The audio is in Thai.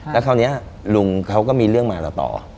แล้วคราวนี้ลุงเขาก็มีเรื่องมาเราต่อ